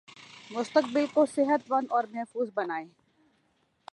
مستقبل کو صحت مند اور محفوظ بنائیں